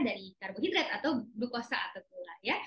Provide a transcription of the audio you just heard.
dari karbohidrat atau buku kosa